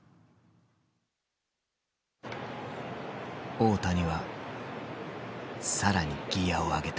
大谷は更にギアを上げた。